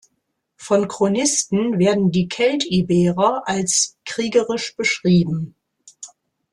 Von Chronisten werden die Keltiberer als kriegerisch beschrieben.